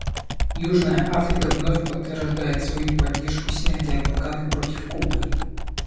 Южная Африка вновь подтверждает свою поддержку снятия блокады против Кубы.